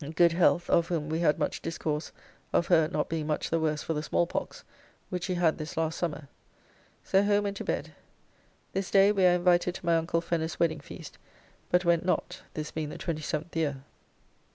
] good health, of whom we had much discourse of her not being much the worse for the small pox, which she had this last summer. So home and to bed. This day we are invited to my uncle Fenner's wedding feast, but went not, this being the 27th year.